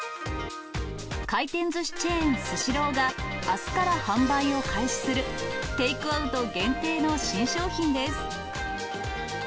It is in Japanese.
回転ずしチェーン、スシローが、あすから販売を開始する、テイクアウト限定の新商品です。